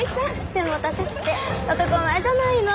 背も高くて男前じゃないの。